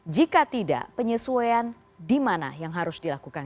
jika tidak penyesuaian di mana yang harus dilakukan